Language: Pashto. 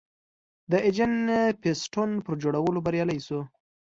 د انجن پېسټون پر جوړولو بریالی شو.